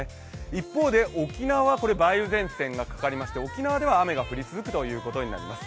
一方で沖縄は梅雨前線がかかりまして沖縄では雨が降り続くということになります。